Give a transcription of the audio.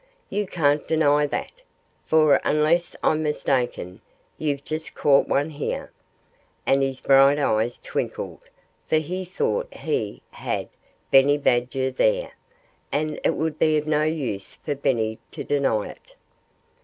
"You can't deny that, for unless I'm mistaken, you've just caught one here." And his bright eyes twinkled, for he thought he "had" Benny Badger there, and it would be of no use for Benny to deny it.